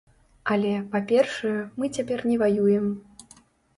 Але, па-першае, мы цяпер не ваюем.